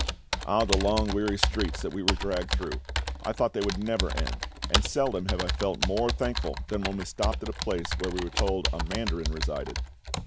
Oh the long weary streets that we were dragged through! I thought they would never end; and seldom have I felt more thankful than when we stopped at a place where we were told a mandarin resided.